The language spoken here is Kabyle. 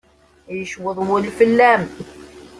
Yecweḍ wul fell-am.